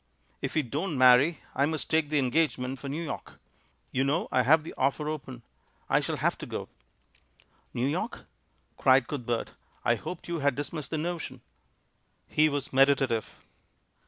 "If we don't marry, I must take the engage ment for New York; you know I have the offer open — I shall have to go." "New York?" cried Cuthbert. "I hoped you had dismissed the notion." He was meditative.